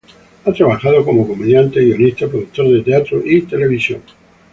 Ha trabajado como comediante, guionista, productor de teatro y televisión.